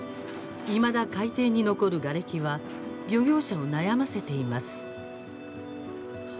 いまだ海底に残るがれきは漁業者を悩ませています。